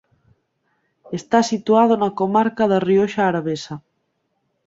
Está situado na comarca da Rioxa Arabesa.